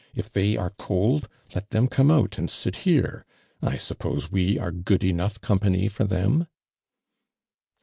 If they are cold let them come out and sit here. I suppose we are good enough company for them